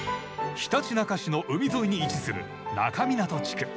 ひたちなか市の海沿いに位置する那珂湊地区。